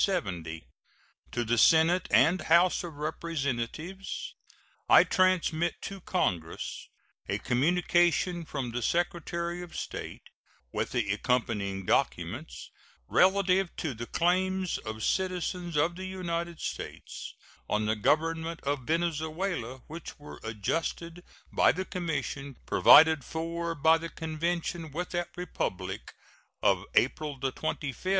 To the Senate and House of Representatives: I transmit to Congress a communication from the Secretary of State, with the accompanying documents, relative to the claims of citizens of the United States on the Government of Venezuela which were adjusted by the commission provided for by the convention with that Republic of April 25, 1866.